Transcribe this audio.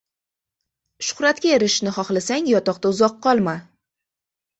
• Shuhratga erishishni xohlasang, yotoqda uzoq qolma.